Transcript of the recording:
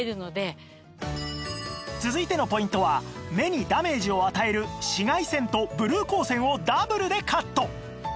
続いてのポイントは目にダメージを与える紫外線とブルー光線をダブルでカット